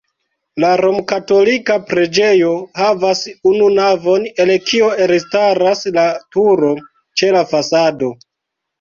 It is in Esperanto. La romkatolika preĝejo havas unu navon, el kio elstaras la turo ĉe la fasado.